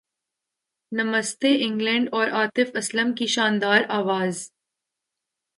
نمستے England اور عاطف اسلم کی شاندار اواز